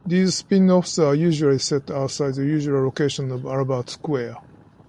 These spin-offs are usually set outside the usual location of Albert Square.